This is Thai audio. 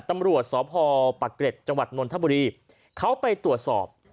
ตำรวจสพปะเกร็ดจังหวัดนนทบุรีเขาไปตรวจสอบ